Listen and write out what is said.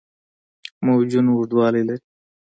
موجونه اوږدوالي لري.